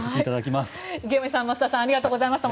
池上さん、増田さんありがとうございました。